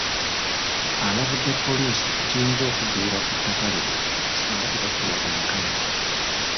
Alabudde poliisi ku kiyinza okuddirira ku ttaka lino singa tebafuna bwenkanya